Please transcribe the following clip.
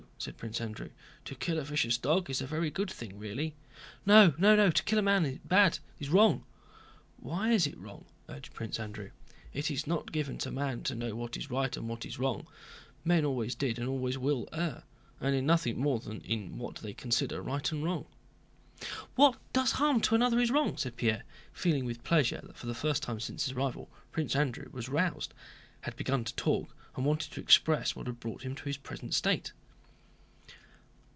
asked Prince Andrew. "To kill a vicious dog is a very good thing really." "No, to kill a man is bad—wrong." "Why is it wrong?" urged Prince Andrew. "It is not given to man to know what is right and what is wrong. Men always did and always will err, and in nothing more than in what they consider right and wrong." "What does harm to another is wrong," said Pierre, feeling with pleasure that for the first time since his arrival Prince Andrew was roused, had begun to talk, and wanted to express what had brought him to his present state.